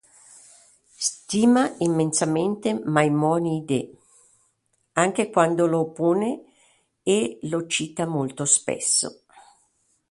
Stima immensamente Maimonide anche quando lo oppone e lo cita molto spesso.